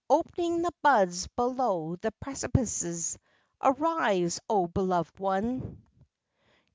Opening the buds below the precipices. Arise, O beloved one!"